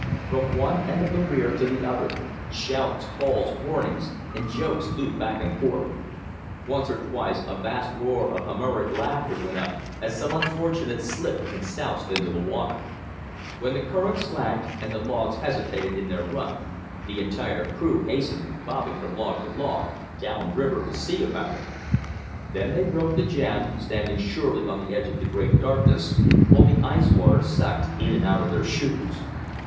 From one end of the rear to the other, shouts, calls, warnings, and jokes flew back and forth. Once or twice a vast roar of Homeric laughter went up as some unfortunate slipped and soused into the water. When the current slacked, and the logs hesitated in their run, the entire crew hastened, bobbing from log to log, down river to see about it. Then they broke the jam, standing surely on the edge of the great darkness, while the ice water sucked in and out of their shoes.